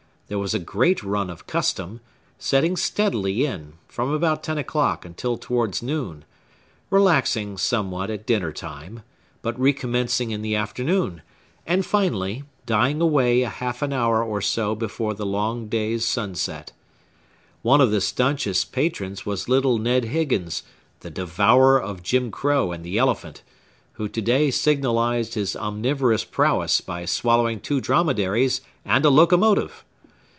There was a great run of custom, setting steadily in, from about ten o'clock until towards noon,—relaxing, somewhat, at dinner time, but recommencing in the afternoon, and, finally, dying away a half an hour or so before the long day's sunset. One of the stanchest patrons was little Ned Higgins, the devourer of Jim Crow and the elephant, who to day signalized his omnivorous prowess by swallowing two dromedaries and a locomotive.